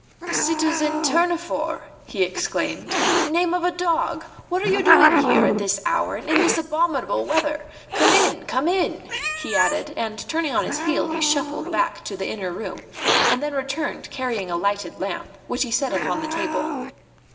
"Citizen Tournefort!" he exclaimed. "Name of a dog! What are you doing here at this hour and in this abominable weather? Come in! Come in!" he added, and, turning on his heel, he shuffled back into the inner room, and then returned carrying a lighted lamp, which he set upon the table.